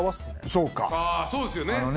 そうかああそうですよね